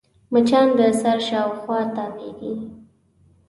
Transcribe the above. مچان د سر شاوخوا تاوېږي